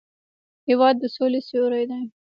هېواد د سولې سیوری دی.